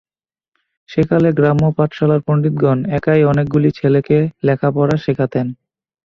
সে-কালে গ্রাম্য-পাঠশালার পণ্ডিতগণ একাই অনেকগুলি ছেলেকে লেখাপড়া শেখাতেন।